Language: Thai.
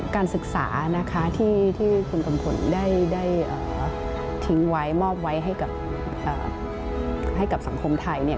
การศึกษาที่คุณกำผลได้ทิ้งไว้มอบไว้ให้กับสังคมไทย